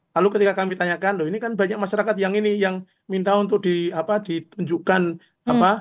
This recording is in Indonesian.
lalu ketika kami tanyakan loh ini kan banyak masyarakat yang ini yang minta untuk ditunjukkan apa